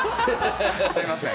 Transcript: すみません。